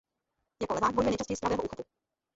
Jako levák bojuje nejčastěji z pravého úchopu.